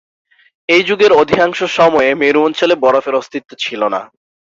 এই যুগের অধিকাংশ সময়ে মেরু অঞ্চলে বরফের অস্তিত্ব ছিল না।